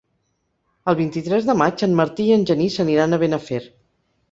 El vint-i-tres de maig en Martí i en Genís aniran a Benafer.